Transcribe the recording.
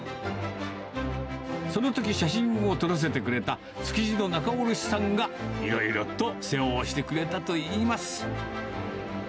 そのとき、写真を撮らせてくれた築地の仲卸さんが、いろいろと世話をしてくれたといいます。